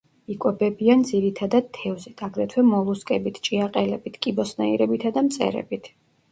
იკვებებიან ძირითადად თევზით, აგრეთვე მოლუსკებით, ჭიაყელებით, კიბოსნაირებითა და მწერებით.